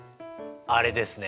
あれですね。